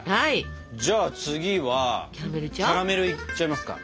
じゃあ次はキャラメルいっちゃいますか。